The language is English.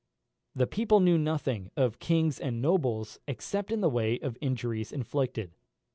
The people knew nothing of kings and nobles, except in the way of injuries inflicted.